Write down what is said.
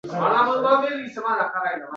Nimalar bo‘lishini avvaldan aytish qiyin.